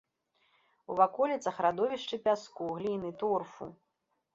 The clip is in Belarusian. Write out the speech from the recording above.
У ваколіцах радовішчы пяску, гліны, торфу.